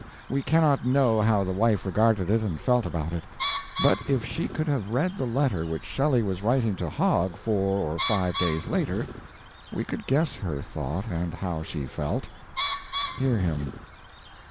We cannot know how the wife regarded it and felt about it; but if she could have read the letter which Shelley was writing to Hogg four or five days later, we could guess her thought and how she felt. Hear him